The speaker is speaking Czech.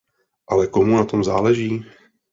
Ale komu na tom záleží?